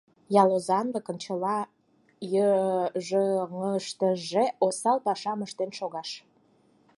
ялозанлыкын чыла йыжыҥыштыже осал пашам ыштен шогаш.